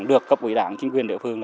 được cấp quỹ đảng chính quyền địa phương